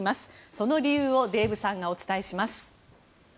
その理由をデーブさんがお伝えします。